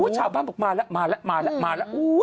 ชาวบ้านบอกมาแล้วมาแล้วมาแล้ว